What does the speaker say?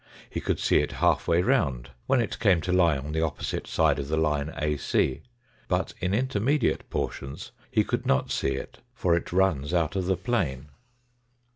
He could see it half way round when it came to lie on the opposite side of the line AC. But in intermediate portions he could not see it, for it runs out of the plane.